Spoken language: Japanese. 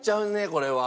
これは。